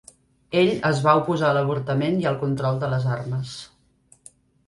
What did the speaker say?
Ell es va oposar a l'avortament i al control de les armes.